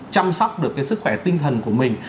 chăm sóc được cái sức khỏe tinh thần của mình